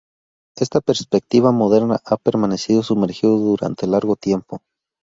Esta perspectiva moderna ha permanecido sumergido durante largo tiempo.